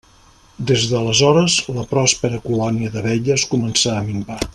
Des d'aleshores, la pròspera colònia d'abelles començà a minvar.